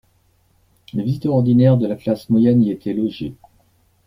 Les visiteurs ordinaires de la classe moyenne y étaient logés.